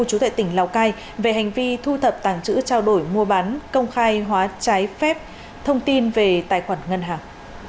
chú tệ tỉnh lào cai về hành vi thu thập tàng chữ trao đổi mua bán công khai hóa trái phép thông tin về tài khoản ngân hàng